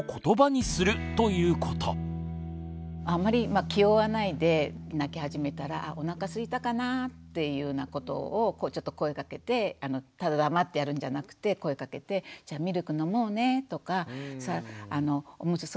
あんまり気負わないで泣き始めたら「あおなかすいたかな」っていうようなことをちょっと声かけてただ黙ってやるんじゃなくて声かけて「じゃあミルク飲もうね」とか「おむつそろそろ替えようかな